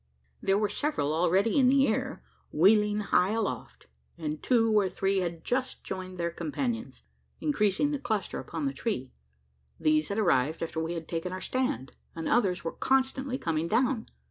There were several already in the air, wheeling high aloft; and two or three had just joined their companions increasing the cluster upon the tree. These had arrived, after we had taken our stand; and others were constantly coming down.